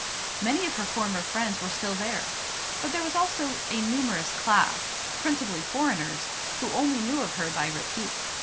Many of her former friends were still there; but there was also a numerous class, principally foreigners, who only knew of her by repute.